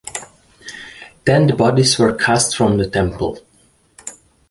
Then the bodies were cast from the temple.